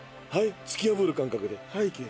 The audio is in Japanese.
突き破る感覚ではいいけ。